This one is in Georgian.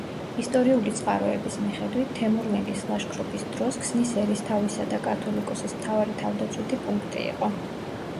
ისტორიული წყაროების მიხედვით, თემურლენგის ლაშქრობის დროს ქსნის ერისთავისა და კათოლიკოსის მთავარი თავდაცვითი პუნქტი იყო.